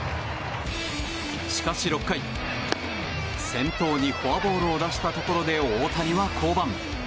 しかし、６回先頭にフォアボールを出したところで大谷は降板。